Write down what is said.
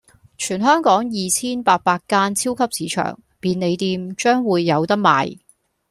全香港二千八百間超級市場、便利店將會有得賣